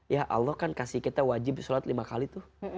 ya allah kan kasih kita wajib sholat lima kali tuh